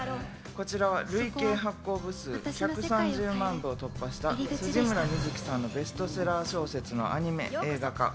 こちらは累計発行部数１３０万部を突破した辻村深月さんのベストセラー小説のアニメ映画化。